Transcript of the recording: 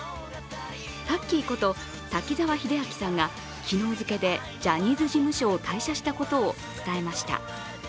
タッキーこと、滝沢秀明さんが昨日付けでジャニーズ事務所を退社したことを伝えました。